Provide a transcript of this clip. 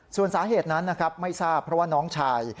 ส่วนสาเหตุนั้นนะครับไม่ทราบเพราะว่าน้องชาย